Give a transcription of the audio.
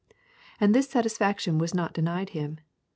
And this satisfaction was not denied him.